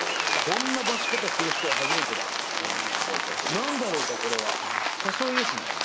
こんな出し方する人は初めてだ何だろうかこれは誘いですね